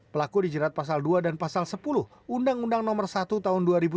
pelaku dijerat pasal dua dan pasal sepuluh undang undang nomor satu tahun dua ribu tujuh